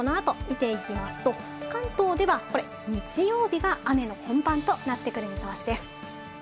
さらにこの後、見ていきますと関東ではこれ日曜日が雨の本番となってくる見通しです。